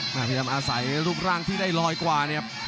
พยายามอาศัยรูปร่างที่ได้ลอยกว่าเนี่ยครับ